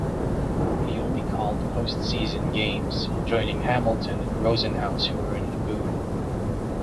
He only called postseason games, joining Hamilton and Rosenhaus who were in the booth.